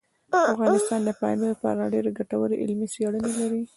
افغانستان د پامیر په اړه ډېرې ګټورې علمي څېړنې لري.